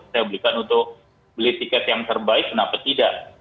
saya belikan untuk beli tiket yang terbaik kenapa tidak